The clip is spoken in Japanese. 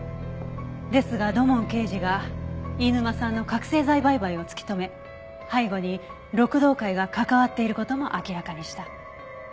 ですが土門刑事が飯沼さんの覚せい剤売買を突き止め背後に六道会が関わっている事も明らかにした。